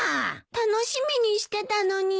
楽しみにしてたのに。